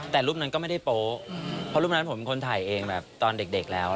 แต่รูปนั้นก็ไม่ได้โป๊ะเพราะรูปนั้นผมเป็นคนถ่ายเองแบบตอนเด็กแล้ว